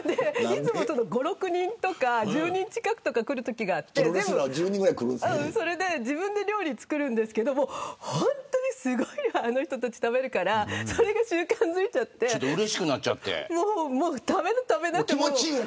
５、６人とか１０人近くとか来るときがあってそれで自分で料理を作るんですけど本当にすごい、あの人たち食べるからそれが習慣づいちゃって食べな食べなと。